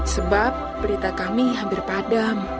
sebab berita kami hampir padam